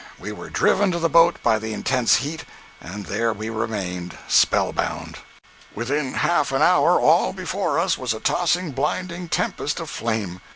We were driven to the boat by the intense heat, and there we remained, spell bound. 176.jpg (161K) Within half an hour all before us was a tossing, blinding tempest of flame!